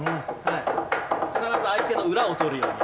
必ず相手の裏を取るように。